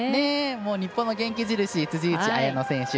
日本の元気印辻内彩野選手。